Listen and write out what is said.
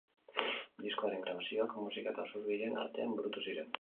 Diskoaren grabazioak Muxika eta Usurbilen artean burutu ziren.